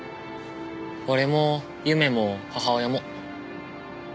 俺も祐芽も母親も。